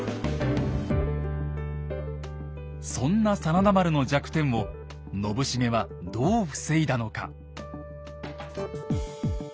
そんな真田丸の弱点を信繁はどう防いだのか。